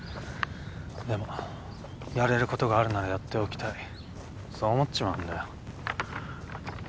でもやれることがあるならやっておきたいそう思っちまうんだよ。